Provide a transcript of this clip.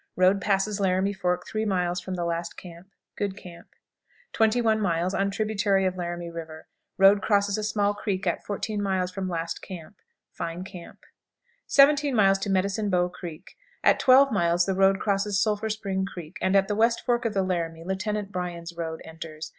Road passes Laramie Fork three miles from the last camp. Good camp. 21. Tributary of Laramie River. Road crosses a small creek at 14 miles from last camp. Fine camp. 17. Medicine Bow Creek. At twelve miles the road crosses Sulphur Spring Creek, and at the West Fork of the Laramie Lieutenant Bryan's road enters.